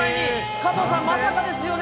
加藤さん、まさかですよね。